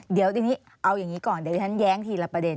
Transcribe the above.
เดี๋ยวทีนี้เอาอย่างนี้ก่อนเดี๋ยวที่ฉันแย้งทีละประเด็น